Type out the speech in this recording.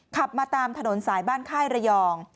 ขับมาตามถนนสายบ้านค่ายระยอง